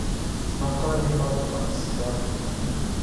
بانکونه د هیواد په مالي ثبات کې مهم دي.